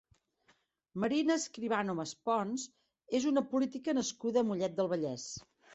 Marina Escribano Maspons és una política nascuda a Mollet del Vallès.